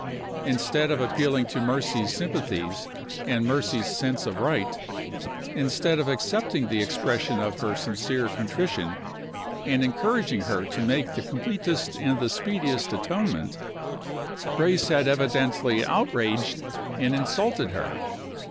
Instead of appealing to Mercy's sympathies and Mercy's sense of right instead of accepting the expression of her sincere contrition, and encouraging her to make the completest and the speediest atonement Grace had evidently outraged and insulted her.